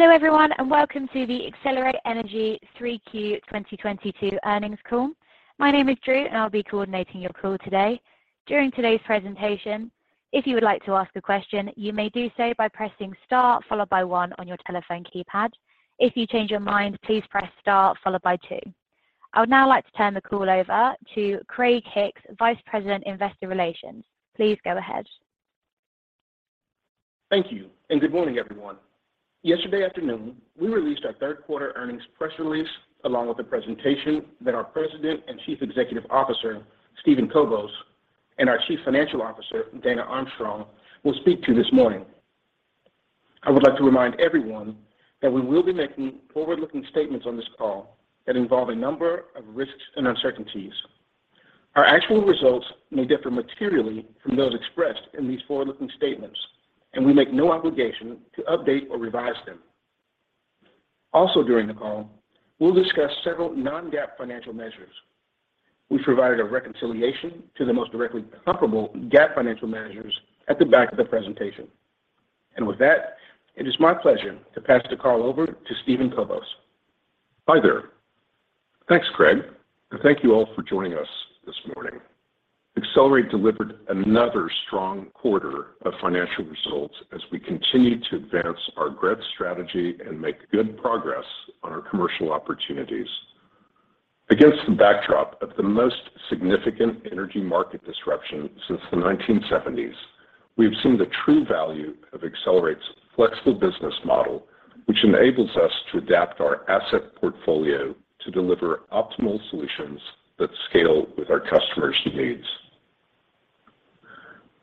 Hello everyone, and welcome to the Excelerate Energy 3Q 2022 earnings call. My name is Drew, and I'll be coordinating your call today. During today's presentation, if you would like to ask a question, you may do so by pressing Star followed by one on your telephone keypad. If you change your mind, please press Star followed by two. I would now like to turn the call over to Craig Hicks, Vice President, Investor Relations. Please go ahead. Thank you and good morning, everyone. Yesterday afternoon, we released our third quarter earnings press release along with the presentation that our President and Chief Executive Officer, Steven Kobos, and our Chief Financial Officer, Dana Armstrong, will speak to this morning. I would like to remind everyone that we will be making forward-looking statements on this call that involve a number of risks and uncertainties. Our actual results may differ materially from those expressed in these forward-looking statements, and we make no obligation to update or revise them. Also during the call, we'll discuss several non-GAAP financial measures. We've provided a reconciliation to the most directly comparable GAAP financial measures at the back of the presentation. With that, it is my pleasure to pass the call over to Steven Kobos. Hi there. Thanks, Craig, and thank you all for joining us this morning. Excelerate delivered another strong quarter of financial results as we continue to advance our growth strategy and make good progress on our commercial opportunities. Against the backdrop of the most significant energy market disruption since the 1970s, we have seen the true value of Excelerate's flexible business model, which enables us to adapt our asset portfolio to deliver optimal solutions that scale with our customers' needs.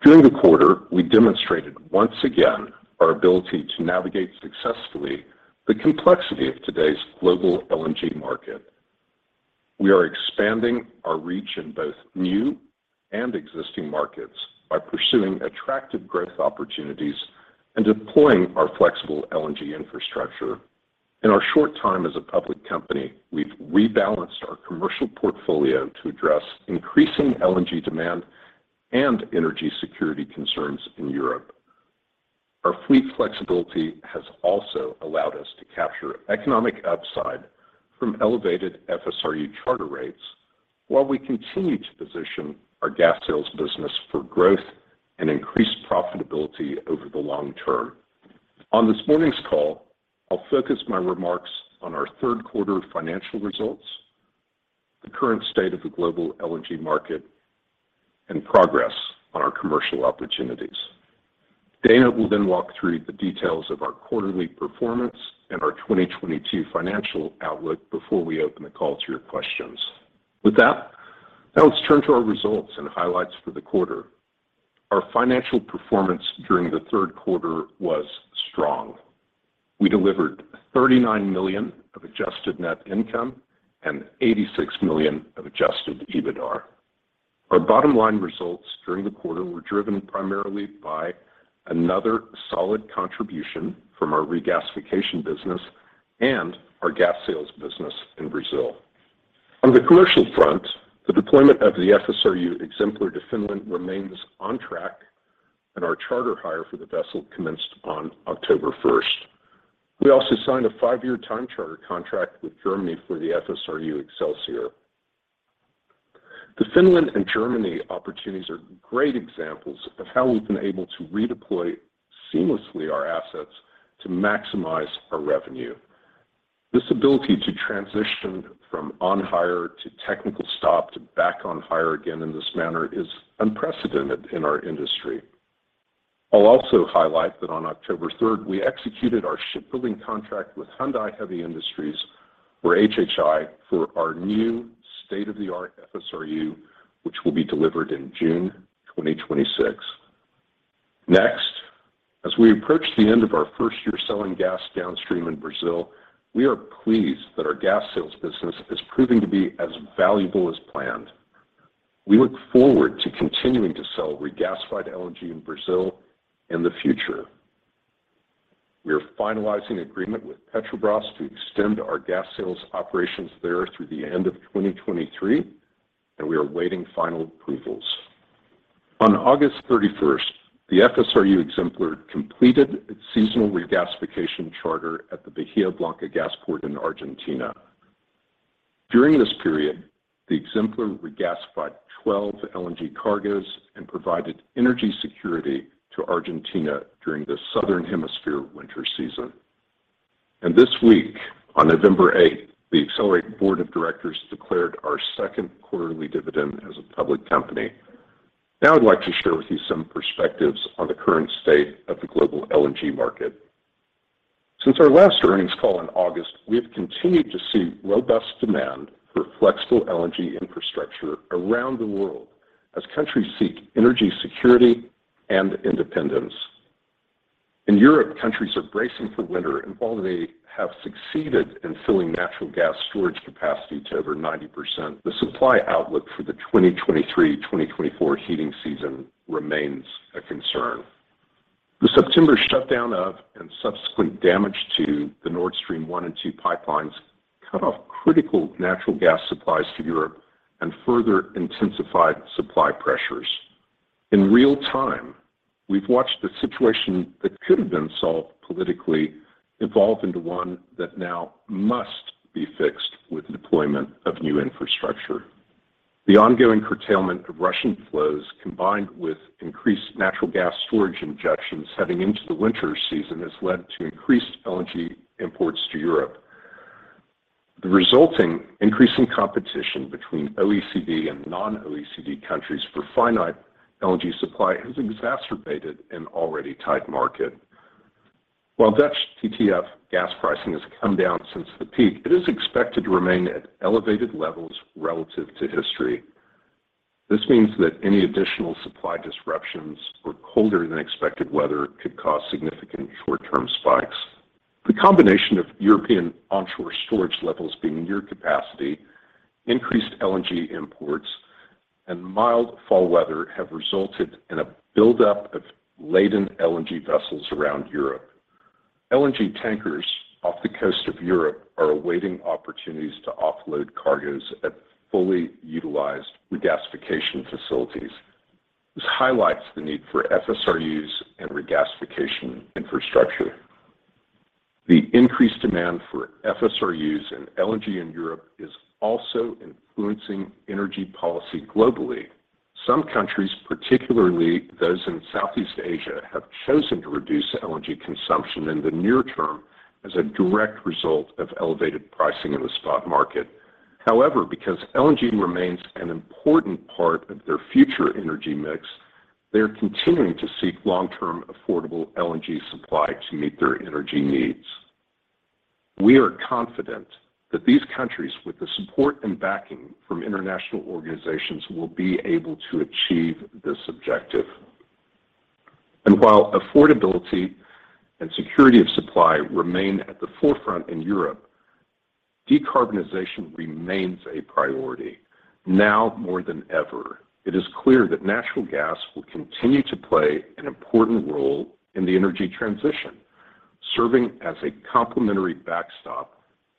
During the quarter, we demonstrated once again our ability to navigate successfully the complexity of today's global LNG market. We are expanding our reach in both new and existing markets by pursuing attractive growth opportunities and deploying our flexible LNG infrastructure. In our short time as a public company, we've rebalanced our commercial portfolio to address increasing LNG demand and energy security concerns in Europe. Our fleet flexibility has also allowed us to capture economic upside from elevated FSRU charter rates while we continue to position our gas sales business for growth and increased profitability over the long term. On this morning's call, I'll focus my remarks on our third quarter financial results, the current state of the global LNG market, and progress on our commercial opportunities. Dana will then walk through the details of our quarterly performance and our 2022 financial outlook before we open the call to your questions. With that, now let's turn to our results and highlights for the quarter. Our financial performance during the third quarter was strong. We delivered $39 million of adjusted net income and $86 million of adjusted EBITDAR. Our bottom line results during the quarter were driven primarily by another solid contribution from our regasification business and our gas sales business in Brazil. On the commercial front, the deployment of the FSRU Exemplar to Finland remains on track and our charter hire for the vessel commenced on October 1. We also signed a 5-year time charter contract with Germany for the FSRU Excelsior. The Finland and Germany opportunities are great examples of how we've been able to redeploy seamlessly our assets to maximize our revenue. This ability to transition from on hire to technical stop to back on hire again in this manner is unprecedented in our industry. I'll also highlight that on October 3, we executed our shipbuilding contract with Hyundai Heavy Industries or HHI for our new state-of-the-art FSRU, which will be delivered in June 2026. Next, as we approach the end of our first year selling gas downstream in Brazil, we are pleased that our gas sales business is proving to be as valuable as planned. We look forward to continuing to sell regasified LNG in Brazil in the future. We are finalizing agreement with Petrobras to extend our gas sales operations there through the end of 2023, and we are awaiting final approvals. On August 31, the FSRU Exemplar completed its seasonal regasification charter at the Bahía Blanca gas port in Argentina. During this period, the Exemplar regasified 12 LNG cargoes and provided energy security to Argentina during the Southern Hemisphere winter season. This week, on November 8, the Excelerate Board of Directors declared our second quarterly dividend as a public company. Now I'd like to share with you some perspectives on the current state of the global LNG market. Since our last earnings call in August, we have continued to see robust demand for flexible LNG infrastructure around the world as countries seek energy security and independence. In Europe, countries are bracing for winter, and while they have succeeded in filling natural gas storage capacity to over 90%, the supply outlook for the 2023/2024 heating season remains a concern. The September shutdown, and subsequent damage to the Nord Stream 1 and 2 pipelines cut off critical natural gas supplies to Europe and further intensified supply pressures. In real time, we've watched a situation that could have been solved politically evolve into one that now must be fixed with deployment of new infrastructure. The ongoing curtailment of Russian flows combined with increased natural gas storage injections heading into the winter season has led to increased LNG imports to Europe. The resulting increasing competition between OECD and non-OECD countries for finite LNG supply has exacerbated an already tight market. While Dutch TTF gas pricing has come down since the peak, it is expected to remain at elevated levels relative to history. This means that any additional supply disruptions or colder-than-expected weather could cause significant short-term spikes. The combination of European onshore storage levels being near capacity, increased LNG imports, and mild fall weather have resulted in a buildup of laden LNG vessels around Europe. LNG tankers off the coast of Europe are awaiting opportunities to offload cargoes at fully utilized regasification facilities. This highlights the need for FSRUs and regasification infrastructure. The increased demand for FSRUs and LNG in Europe is also influencing energy policy globally. Some countries, particularly those in Southeast Asia, have chosen to reduce LNG consumption in the near term as a direct result of elevated pricing in the spot market. However, because LNG remains an important part of their future energy mix, they are continuing to seek long-term affordable LNG supply to meet their energy needs. We are confident that these countries, with the support and backing from international organizations, will be able to achieve this objective. While affordability and security of supply remain at the forefront in Europe, decarbonization remains a priority. Now more than ever, it is clear that natural gas will continue to play an important role in the energy transition, serving as a complementary backstop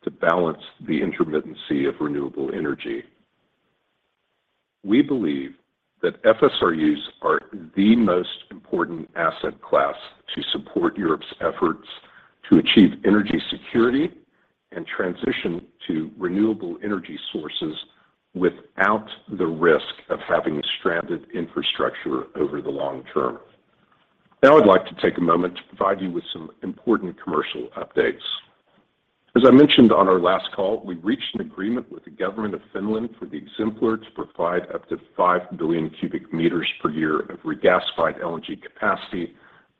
to balance the intermittency of renewable energy. We believe that FSRUs are the most important asset class to support Europe's efforts to achieve energy security and transition to renewable energy sources without the risk of having stranded infrastructure over the long term. Now I'd like to take a moment to provide you with some important commercial updates. As I mentioned on our last call, we reached an agreement with the government of Finland for the Exemplar to provide up to five billion cubic meters per year of regasified LNG capacity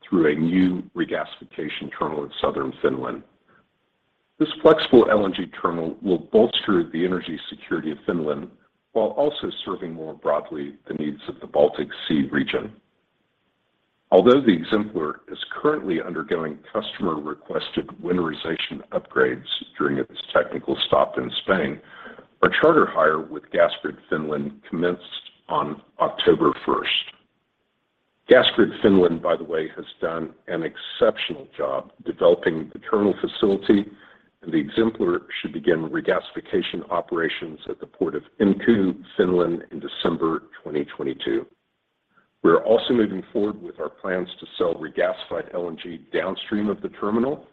through a new regasification terminal in southern Finland. This flexible LNG terminal will bolster the energy security of Finland while also serving more broadly the needs of the Baltic Sea region. Although the Exemplar is currently undergoing customer-requested winterization upgrades during its technical stop in Spain, our charter hire with Gasgrid Finland commenced on October 1. Gasgrid Finland, by the way, has done an exceptional job developing the terminal facility, and the Exemplar should begin regasification operations at the port of Inkoo, Finland, in December 2022. We are also moving forward with our plans to sell regasified LNG downstream of the terminal.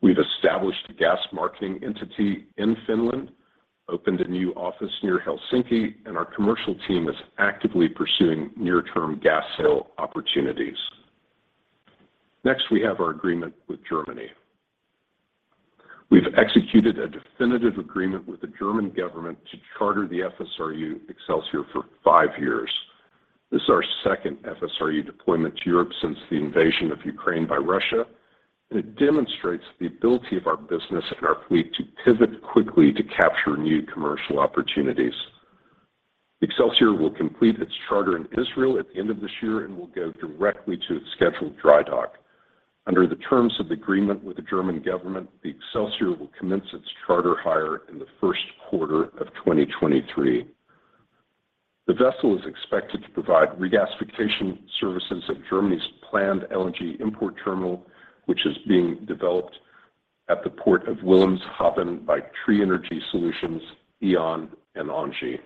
We've established a gas marketing entity in Finland, opened a new office near Helsinki, and our commercial team is actively pursuing near-term gas sale opportunities. Next, we have our agreement with Germany. We've executed a definitive agreement with the German government to charter the FSRU Excelsior for five years. This is our second FSRU deployment to Europe since the invasion of Ukraine by Russia, and it demonstrates the ability of our business and our fleet to pivot quickly to capture new commercial opportunities. Excelsior will complete its charter in Israel at the end of this year and will go directly to its scheduled dry dock. Under the terms of the agreement with the German government, the Excelsior will commence its charter hire in the first quarter of 2023. The vessel is expected to provide regasification services at Germany's planned LNG import terminal, which is being developed at the port of Wilhelmshaven by Tree Energy Solutions, E.ON, and ENGIE.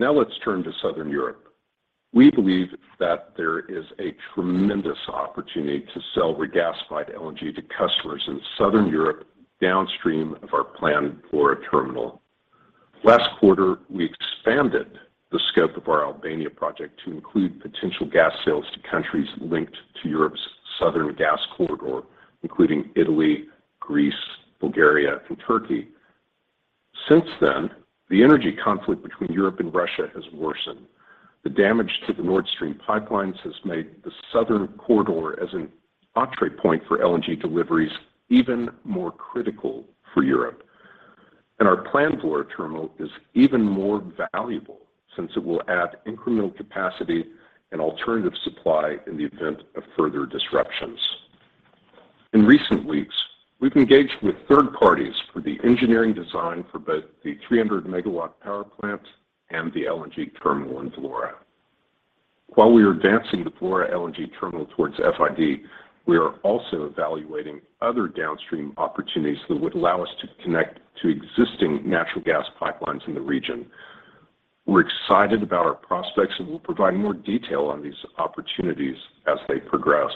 Now let's turn to Southern Europe. We believe that there is a tremendous opportunity to sell regasified LNG to customers in Southern Europe downstream of our planned Vlora terminal. Last quarter, we expanded the scope of our Albania project to include potential gas sales to countries linked to Europe's Southern Gas Corridor, including Italy, Greece, Bulgaria, and Turkey. Since then, the energy conflict between Europe and Russia has worsened. The damage to the Nord Stream pipelines has made the Southern Gas Corridor an entry point for LNG deliveries even more critical for Europe. Our planned Vlora terminal is even more valuable since it will add incremental capacity and alternative supply in the event of further disruptions. In recent weeks, we've engaged with third parties for the engineering design for both the 300-megawatt power plant and the LNG terminal in Vlora. While we are advancing the Vlora LNG terminal towards FID, we are also evaluating other downstream opportunities that would allow us to connect to existing natural gas pipelines in the region. We're excited about our prospects, and we'll provide more detail on these opportunities as they progress.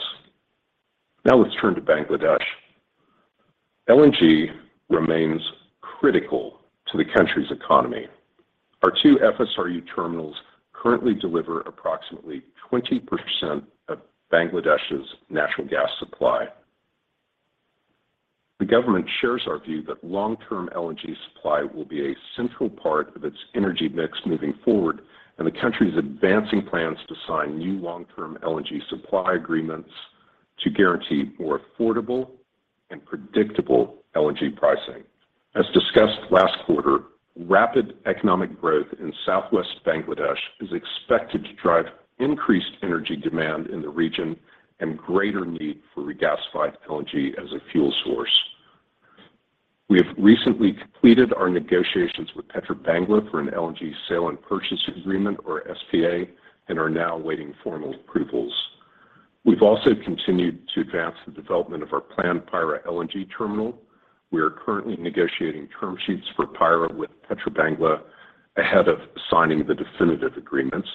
Now let's turn to Bangladesh. LNG remains critical to the country's economy. Our two FSRU terminals currently deliver approximately 20% of Bangladesh's natural gas supply. The government shares our view that long-term LNG supply will be a central part of its energy mix moving forward, and the country is advancing plans to sign new long-term LNG supply agreements to guarantee more affordable and predictable LNG pricing. As discussed last quarter, rapid economic growth in Southwest Bangladesh is expected to drive increased energy demand in the region and greater need for regasified LNG as a fuel source. We have recently completed our negotiations with Petrobangla for an LNG sale and purchase agreement, or SPA, and are now awaiting formal approvals. We've also continued to advance the development of our planned Payra LNG terminal. We are currently negotiating term sheets for Payra with Petrobangla ahead of signing the definitive agreements.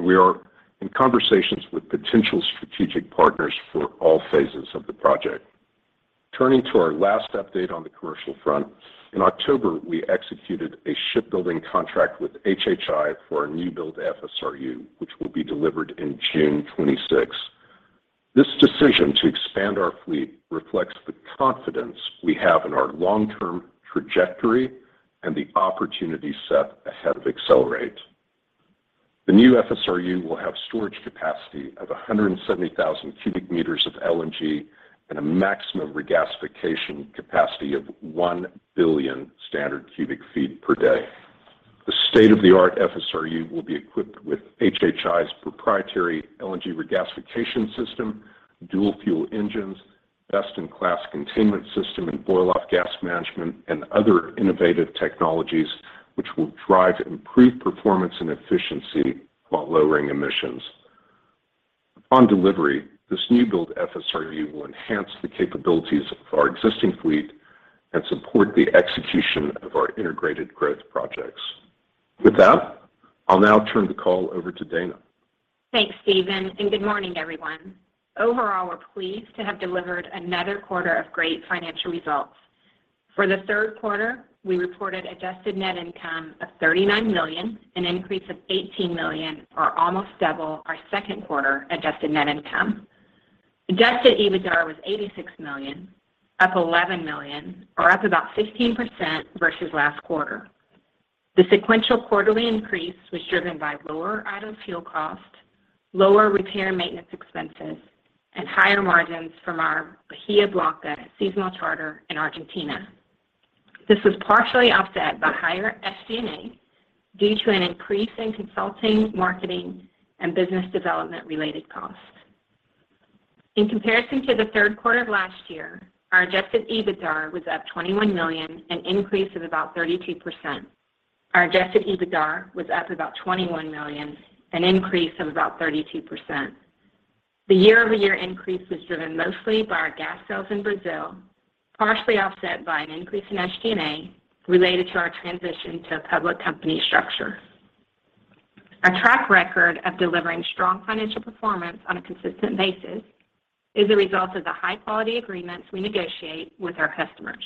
We are in conversations with potential strategic partners for all phases of the project. Turning to our last update on the commercial front. In October, we executed a shipbuilding contract with HHI for a new-build FSRU, which will be delivered in June 2026. This decision to expand our fleet reflects the confidence we have in our long-term trajectory and the opportunity set ahead of Excelerate. The new FSRU will have storage capacity of 170,000 cubic meters of LNG and a maximum regasification capacity of one billion standard cu ft per day. The state-of-the-art FSRU will be equipped with HHI's proprietary LNG regasification system, dual-fuel engines, best-in-class containment system and boil-off gas management, and other innovative technologies which will drive improved performance and efficiency while lowering emissions. On delivery, this new-build FSRU will enhance the capabilities of our existing fleet and support the execution of our integrated growth projects. With that, I'll now turn the call over to Dana. Thanks, Steven, and good morning, everyone. Overall, we're pleased to have delivered another quarter of great financial results. For the third quarter, we reported Adjusted Net Income of $39 million, an increase of $18 million or almost double our second quarter Adjusted Net Income. Adjusted EBITDA was $86 million, up $11 million or up about 15% versus last quarter. The sequential quarterly increase was driven by lower idle fuel cost, lower repair and maintenance expenses, and higher margins from our Bahia Blanca seasonal charter in Argentina. This was partially offset by higher SG&A due to an increase in consulting, marketing, and business development-related costs. In comparison to the third quarter of last year, our Adjusted EBITDA was up $21 million, an increase of about 32%. Our Adjusted EBITDA was up about $21 million, an increase of about 32%. The year-over-year increase was driven mostly by our gas sales in Brazil, partially offset by an increase in SG&A related to our transition to a public company structure. Our track record of delivering strong financial performance on a consistent basis is a result of the high-quality agreements we negotiate with our customers.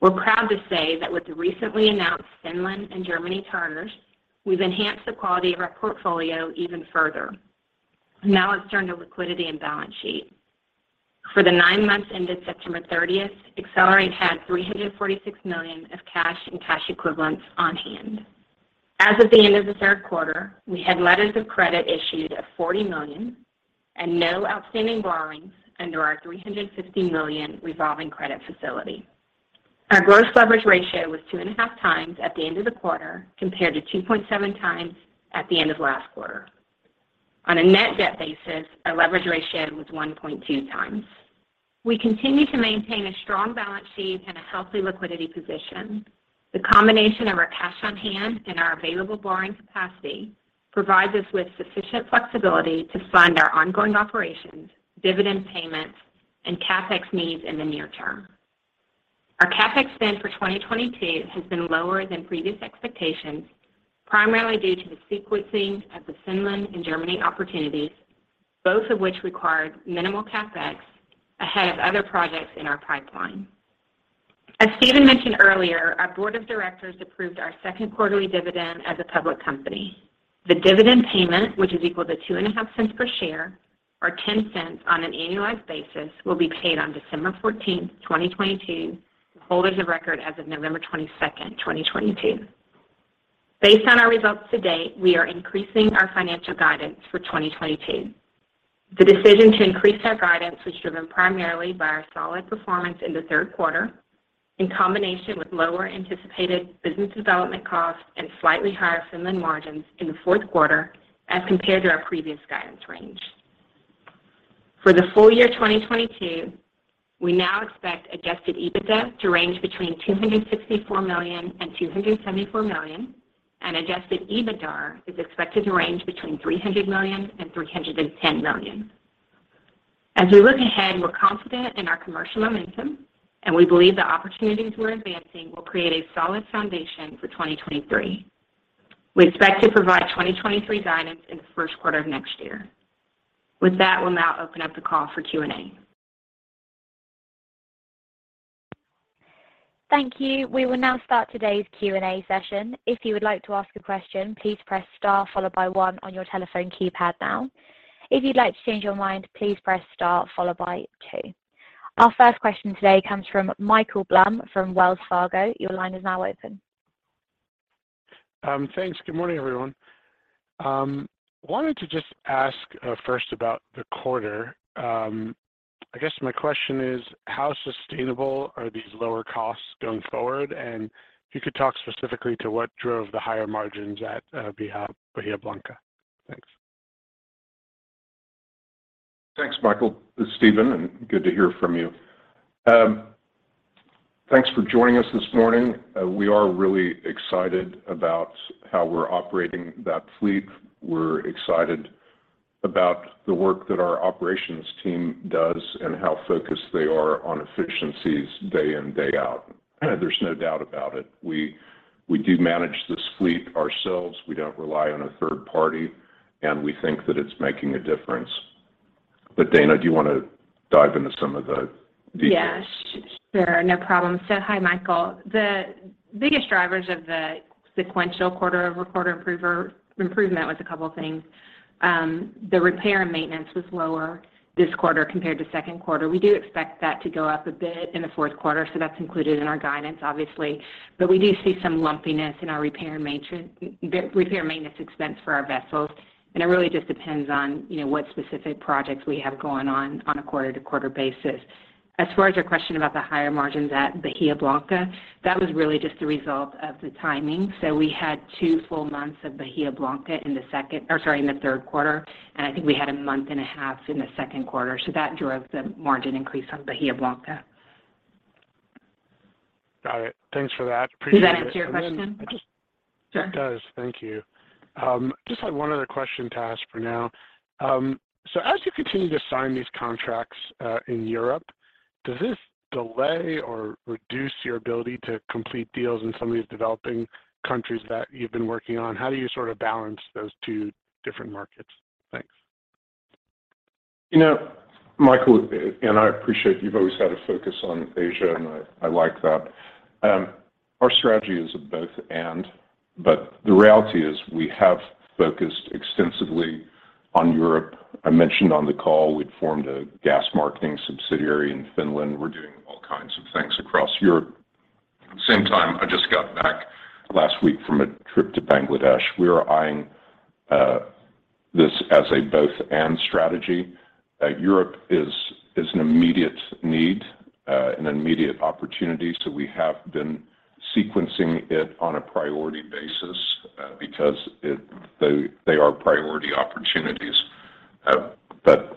We're proud to say that with the recently announced Finland and Germany charters, we've enhanced the quality of our portfolio even further. Now let's turn to liquidity and balance sheet. For the nine months ended September 30, Excelerate had $346 million of cash and cash equivalents on hand. As of the end of the third quarter, we had letters of credit issued of $40 million and no outstanding borrowings under our $350 million revolving credit facility. Our gross leverage ratio was 2.5 times at the end of the quarter, compared to 2.7 times at the end of last quarter. On a net debt basis, our leverage ratio was 1.2 times. We continue to maintain a strong balance sheet and a healthy liquidity position. The combination of our cash on hand and our available borrowing capacity provides us with sufficient flexibility to fund our ongoing operations, dividend payments, and CapEx needs in the near term. Our CapEx spend for 2022 has been lower than previous expectations, primarily due to the sequencing of the Finland and Germany opportunities, both of which required minimal CapEx ahead of other projects in our pipeline. As Steven mentioned earlier, our board of directors approved our second quarterly dividend as a public company. The dividend payment, which is equal to $0.025 per share or $0.10 on an annualized basis, will be paid on December 14, 2022 to holders of record as of November 22, 2022. Based on our results to date, we are increasing our financial guidance for 2022. The decision to increase our guidance was driven primarily by our solid performance in the third quarter in combination with lower anticipated business development costs and slightly higher Finland margins in the fourth quarter as compared to our previous guidance range. For the full year 2022, we now expect Adjusted EBITDA to range between $264 million and $274 million, and Adjusted EBITDAR is expected to range between $300 million and $310 million. As we look ahead, we're confident in our commercial momentum, and we believe the opportunities we're advancing will create a solid foundation for 2023. We expect to provide 2023 guidance in the first quarter of next year. With that, we'll now open up the call for Q&A. Thank you. We will now start today's Q&A session. If you would like to ask a question, please press Star followed by one on your telephone keypad now. If you'd like to change your mind, please press Star followed by two. Our first question today comes from Michael Blum from Wells Fargo. Your line is now open. Thanks. Good morning, everyone. Wanted to just ask first about the quarter. I guess my question is, how sustainable are these lower costs going forward? If you could talk specifically to what drove the higher margins at Bahía Blanca. Thanks. Thanks, Michael. It's Steven, and good to hear from you. Thanks for joining us this morning. We are really excited about how we're operating that fleet. We're excited about the work that our operations team does and how focused they are on efficiencies day in, day out. There's no doubt about it. We do manage this fleet ourselves. We don't rely on a third party, and we think that it's making a difference. Dana, do you want to dive into some of the details? Hi, Michael. The biggest drivers of the sequential quarter-over-quarter improvement was a couple of things. The repair and maintenance was lower this quarter compared to second quarter. We do expect that to go up a bit in the fourth quarter, so that's included in our guidance, obviously. We do see some lumpiness in our repair and maintenance expense for our vessels, and it really just depends on, you know, what specific projects we have going on a quarter-to-quarter basis. As far as your question about the higher margins at Bahía Blanca, that was really just the result of the timing. We had two full months of Bahía Blanca in the third quarter, and I think we had a month and a half in the second quarter. That drove the margin increase on Bahía Blanca. Got it. Thanks for that. Appreciate it. Does that answer your question? It does. Thank you. Just had one other question to ask for now. So as you continue to sign these contracts in Europe, does this delay or reduce your ability to complete deals in some of these developing countries that you've been working on? How do you sort of balance those two different markets? Thanks. You know, Michael, and I appreciate you've always had a focus on Asia, and I like that. Our strategy is a both and, but the reality is we have focused extensively on Europe. I mentioned on the call we'd formed a gas marketing subsidiary in Finland. We're doing all kinds of things across Europe. At the same time, I just got back last week from a trip to Bangladesh. We are eyeing this as a both and strategy. Europe is an immediate need, an immediate opportunity, so we have been sequencing it on a priority basis, because they are priority opportunities.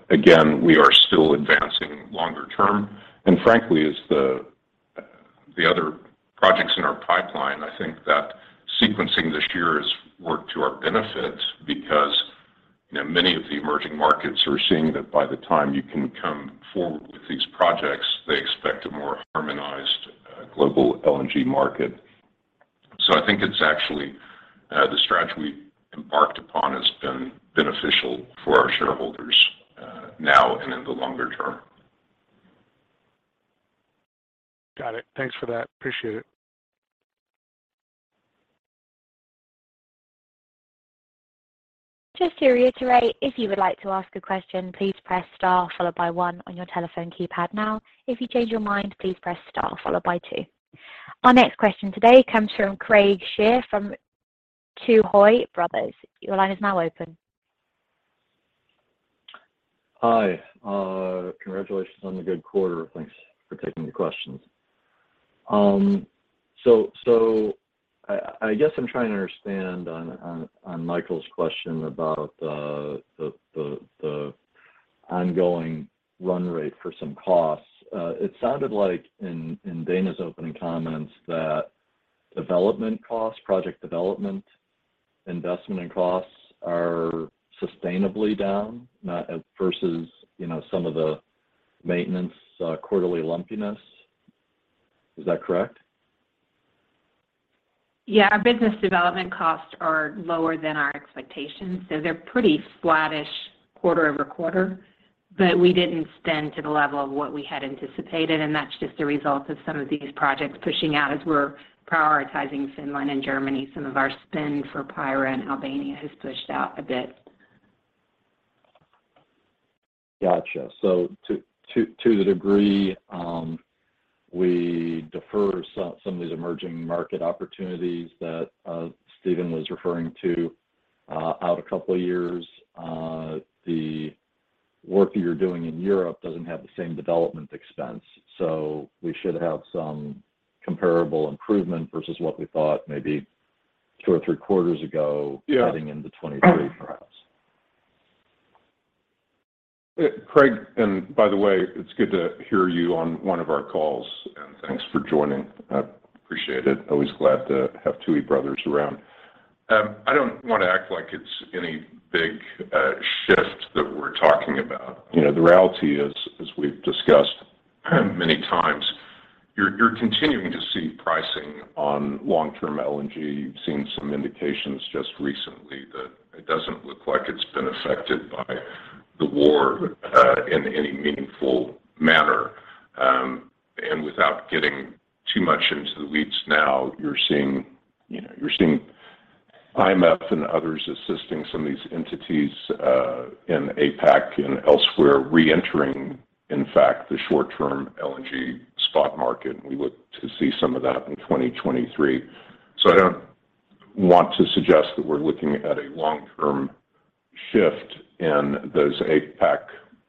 Again, we are still advancing longer term. Frankly, as the other projects in our pipeline, I think that sequencing this year has worked to our benefit because, you know, many of the emerging markets are seeing that by the time you can come forward with these projects, they expect a more harmonized global LNG market. I think it's actually the strategy we've embarked upon has been beneficial for our shareholders now and in the longer term. Got it. Thanks for that. Appreciate it. Just to reiterate, if you would like to ask a question, please press Star followed by one on your telephone keypad now. If you change your mind, please press Star followed by two. Our next question today comes from Craig Shere from Tuohy Brothers. Your line is now open. Hi. Congratulations on the good quarter. Thanks for taking the questions. I guess I'm trying to understand on Michael's question about the ongoing run rate for some costs. It sounded like in Dana's opening comments that development costs, project development investment and costs are sustainably down, not as versus, you know, some of the maintenance quarterly lumpiness. Is that correct? Yeah. Our business development costs are lower than our expectations, so they're pretty flattish quarter-over-quarter. We didn't spend to the level of what we had anticipated, and that's just a result of some of these projects pushing out. As we're prioritizing Finland and Germany, some of our spend for Payra and Albania has pushed out a bit. Gotcha. To the degree we defer some of these emerging market opportunities that Steven was referring to out a couple of years, the work you're doing in Europe doesn't have the same development expense. We should have some comparable improvement versus what we thought maybe two or three quarters ago. Yeah Heading into 2023 perhaps. Craig, by the way, it's good to hear you on one of our calls, and thanks for joining. I appreciate it. Always glad to have Tuohy Brothers around. I don't wanna act like it's any big shift that we're talking about. You know, the reality is, as we've discussed many times, you're continuing to see pricing on long-term LNG. You've seen some indications just recently that it doesn't look like it's been affected by the war in any meaningful manner. Without getting too much into the weeds now, you're seeing, you know, you're seeing IMF and others assisting some of these entities in APAC and elsewhere reentering, in fact, the short-term LNG spot market, and we look to see some of that in 2023. I don't want to suggest that we're looking at a long-term shift in those APAC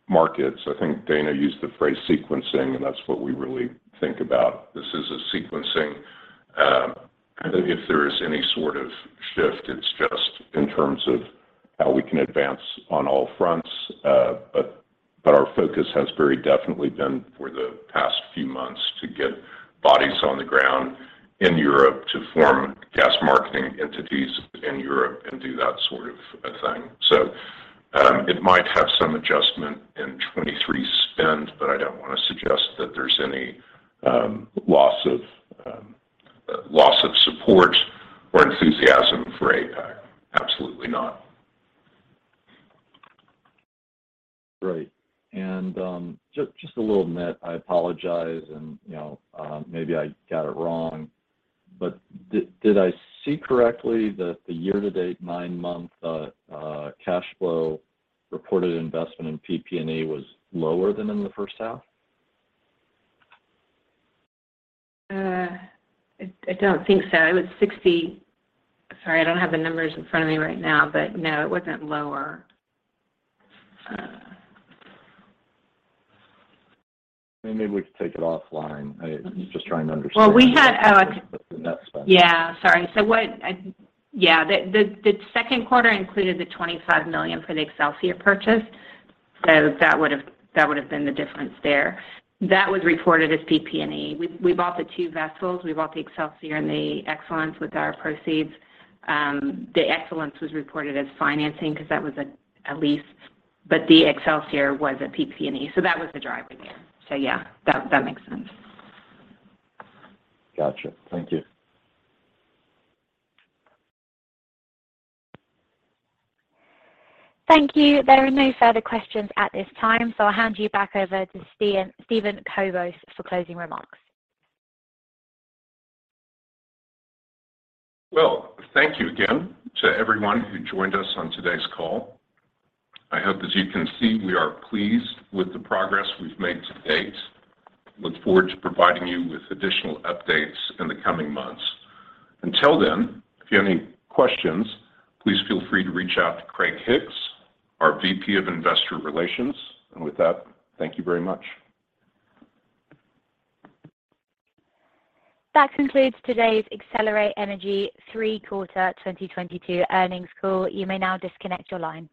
markets. I think Dana used the phrase sequencing, and that's what we really think about. This is a sequencing. If there is any sort of shift, it's just in terms of how we can advance on all fronts. But our focus has very definitely been, for the past few months, to get bodies on the ground in Europe to form gas marketing entities in Europe and do that sort of a thing. It might have some adjustment in 2023 spend, but I don't wanna suggest that there's any loss of support or enthusiasm for APAC. Absolutely not. Great. Just a little nit, I apologize and, you know, maybe I got it wrong, but did I see correctly that the year-to-date nine-month cash flow reported investment in PP&E was lower than in the first half? I don't think so. Sorry, I don't have the numbers in front of me right now, but no, it wasn't lower. Maybe we can take it offline. I'm just trying to understand. Well, we had. The net spend. Yeah, sorry. The second quarter included the $25 million for the Excelsior purchase, so that would have been the difference there. That was reported as PP&E. We bought the two vessels. We bought the Excelsior and the Excellence with our proceeds. The Excellence was reported as financing because that was a lease, but the Excelsior was a PP&E, so that was the driver there. Yeah, that makes sense. Gotcha. Thank you. Thank you. There are no further questions at this time, so I'll hand you back over to Steven Kobos for closing remarks. Well, thank you again to everyone who joined us on today's call. I hope, as you can see, we are pleased with the progress we've made to date. Look forward to providing you with additional updates in the coming months. Until then, if you have any questions, please feel free to reach out to Craig Hicks, our VP of Investor Relations. With that, thank you very much. That concludes today's Excelerate Energy third quarter 2022 earnings call. You may now disconnect your line.